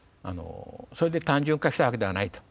それで単純化したわけではないと。